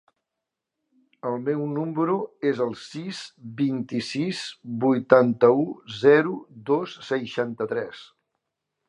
El meu número es el sis, vint-i-sis, vuitanta-u, zero, dos, seixanta-tres.